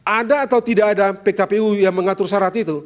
ada atau tidak ada pkpu yang mengatur syarat itu